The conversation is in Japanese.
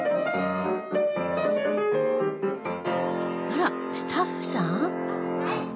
あらスタッフさん？